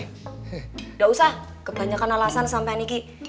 nggak usah kebanyakan alasan sampe ane iki